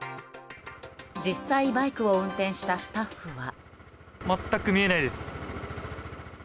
実際バイクを運転したスタッフは。